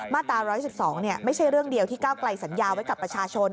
ตรา๑๑๒ไม่ใช่เรื่องเดียวที่ก้าวไกลสัญญาไว้กับประชาชน